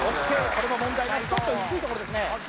これも問題なしちょっと低いところですね